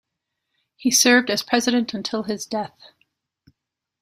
He served as president until his death.